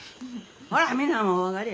ほらみんなもお上がりや。